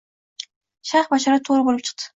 Shayx bashorati toʻgʻri boʻlib chiqdi